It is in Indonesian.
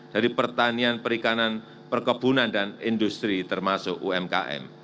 dari pertanian perikanan perkebunan dan industri termasuk umkm